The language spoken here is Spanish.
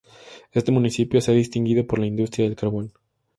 Este Municipio se ha distinguido por la industria del carbón.